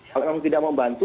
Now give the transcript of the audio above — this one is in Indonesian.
kalau kamu tidak mau bantu